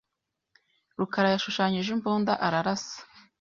rukarayashushanyije imbunda ararasa.